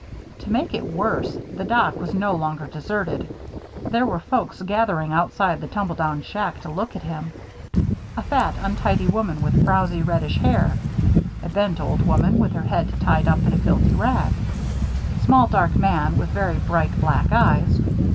To make it worse, the dock was no longer deserted. There were folks gathering outside the tumble down shack to look at him. A fat, untidy woman with frowzy reddish hair. A bent old woman with her head tied up in a filthy rag. A small dark man with very bright black eyes.